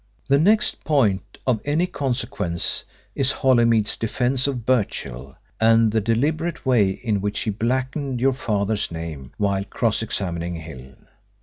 "The next point of any consequence is Holymead's defence of Birchill and the deliberate way in which he blackened your father's name while cross examining Hill.